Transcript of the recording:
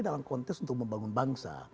dalam konteks untuk membangun bangsa